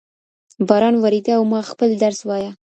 باران ورېده او ما خپل درس وایه.